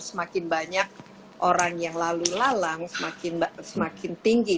semakin banyak orang yang lalu lalang semakin tinggi